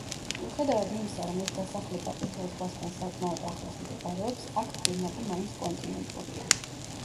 მიუხედავად იმისა რომ ეს დასახლება ყვითელ ზღვასთან საკმაოდ ახლოს მდებარეობს, აქ კლიმატი მაინც კონტინენტურია.